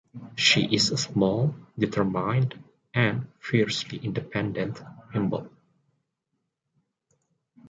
She is a small, determined and fiercely independent Mymble.